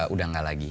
udah nggak lagi